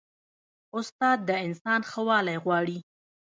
استاد د انسان ښه والی غواړي.